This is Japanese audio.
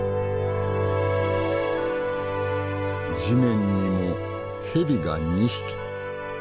地面にも蛇が２匹。